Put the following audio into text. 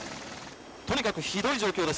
とにかくひどい状況です。